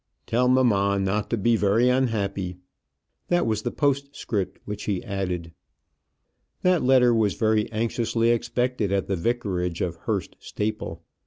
"Tell mamma not to be very unhappy." That was the postscript which he added. That letter was very anxiously expected at the vicarage of Hurst Staple.